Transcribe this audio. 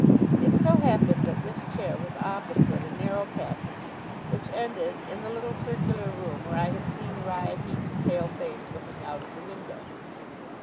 It so happened that this chair was opposite a narrow passage, which ended in the little circular room where I had seen Uriah Heep's pale face looking out of the window.